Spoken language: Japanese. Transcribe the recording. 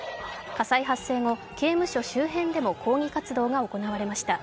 火災発生後、刑務所周辺でも抗議活動が行われました。